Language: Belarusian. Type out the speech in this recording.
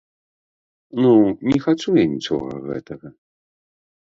Ну, не хачу я нічога гэтага.